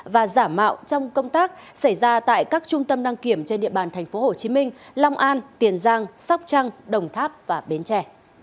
và giả mạo trong công tác xảy ra tại các trung tâm đăng kiểm trên địa bàn tp hcm long an tiền giang sóc trăng đồng tháp và bến trẻ